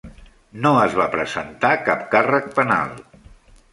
No es va presentar cap càrrec penal.